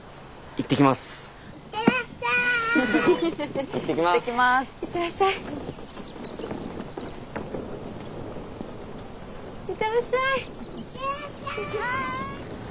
行ってらっしゃい！